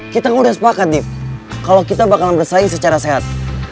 kita kan udah sepakat nih kalau kita bakal bersaing secara sehat